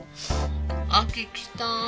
秋来た！